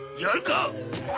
やるか？